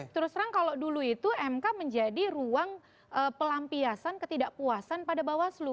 terus terang kalau dulu itu mk menjadi ruang pelampiasan ketidakpuasan pada bawaslu